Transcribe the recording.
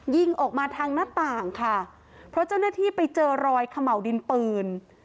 ยิงออกมาทางหน้าต่างค่ะเพราะเจ้าหน้าที่ไปเจอรอยเขม่าวดินปืน